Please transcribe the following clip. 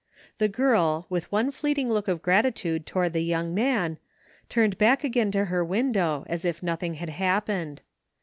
The girl, with one fleeting look of gratitude toward the young man, turned back again to her win dow as if nothing had happened.